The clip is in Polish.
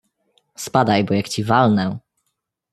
Spadaj, bo jak ci walnę...